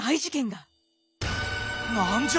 何じゃ！